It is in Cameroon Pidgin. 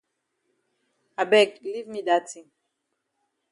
I beg leave me dat tin.